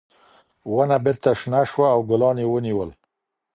ونه بېرته شنه شوه او ګلان یې ونیول.